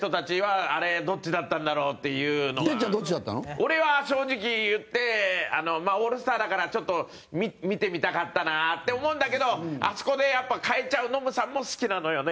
俺は、正直言ってオールスターだからちょっと見てみたかったなって思うんだけどあそこで、やっぱ代えちゃうノムさんも好きなのよね。